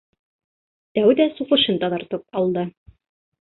Тәүҙә суҡышын таҙартып алды.